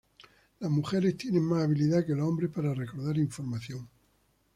Las mujeres tienen más habilidad que los hombres para recordar información.